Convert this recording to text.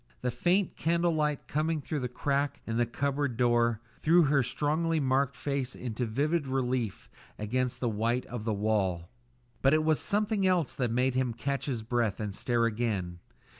The faint candle light coming through the crack in the cupboard door, threw her strongly marked face into vivid relief against the white of the wall. But it was something else that made him catch his breath and stare again.